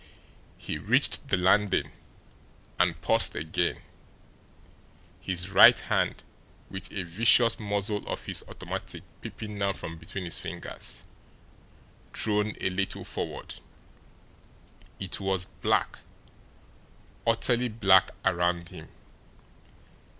He reached the landing, and paused again, his right hand, with a vicious muzzle of his automatic peeping now from between his fingers, thrown a little forward. It was black, utterly black, around him.